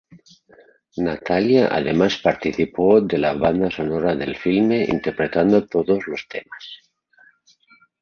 Natalia además participó de la banda sonora del filme, interpretando todos los temas.